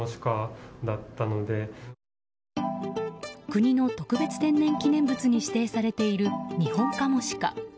国の特別天然記念物に指定されているニホンカモシカ。